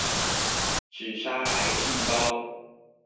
只殺癌細胞！